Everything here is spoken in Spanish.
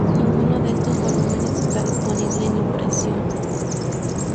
Ninguno de estos volúmenes está disponible en impresión.